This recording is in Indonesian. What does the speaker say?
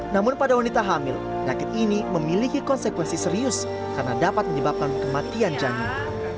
namun pada wanita hamil penyakit ini memiliki konsekuensi serius karena dapat menyebabkan kematian janin